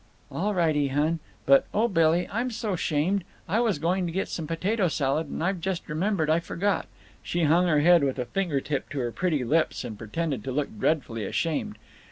"All rightee, hun. But, oh, Billy, I'm so, shamed. I was going to get some potato salad, and I've just remembered I forgot." She hung her head, with a fingertip to her pretty lips, and pretended to look dreadfully ashamed.